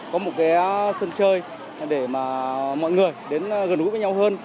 có một cái sân chơi để mà mọi người đến gần gũi với nhau hơn